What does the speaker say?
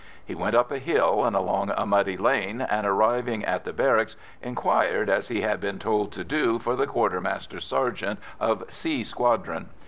He went up a hill, and along a muddy lane, and, arriving at the barracks, inquired, as he had been told to do, for the quartermaster sergeant of "C" Squadron.